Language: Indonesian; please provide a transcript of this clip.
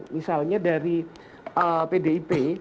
misalnya dari pdip